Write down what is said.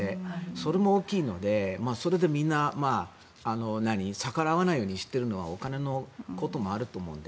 それも大きいのでそれでみんな逆らわないようにしているのはお金のこともあると思うので。